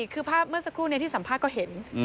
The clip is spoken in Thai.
คือภาพเมื่อสักครู่นี้ที่สัมภาษณ์ก็เห็น